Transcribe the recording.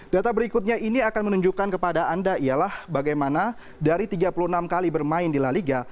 data berikutnya ini akan menunjukkan kepada anda ialah bagaimana dari tiga puluh enam kali bermain di la liga